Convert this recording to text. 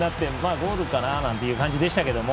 ゴールかなっていう感じでしたが。